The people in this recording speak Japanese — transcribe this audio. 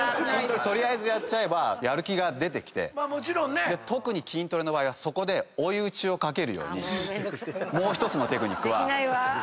取りあえずやっちゃえばやる気が出てきて特に筋トレの場合はそこで追い打ちをかけるようにもう１つのテクニックは。